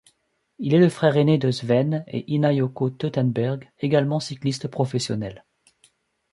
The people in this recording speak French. Il est le frère aîné de Sven et Ina-Yoko Teutenberg, également cyclistes professionnels.